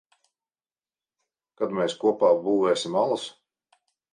Kad mēs kopā būvēsim alas?